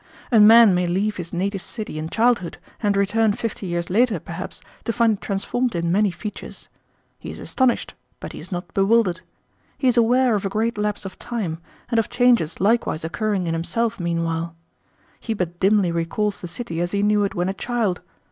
A man may leave his native city in childhood, and return fifty years later, perhaps, to find it transformed in many features. He is astonished, but he is not bewildered. He is aware of a great lapse of time, and of changes likewise occurring in himself meanwhile. He but dimly recalls the city as he knew it when a child.